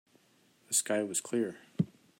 The sky was clear.